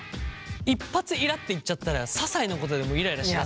一発イラっていっちゃったらささいなことでもイライラしちゃう。